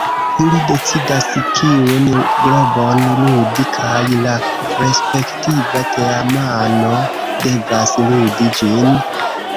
Ili decidas kiun globon ludi kaj la respektiva teamano devas ludi ĝin.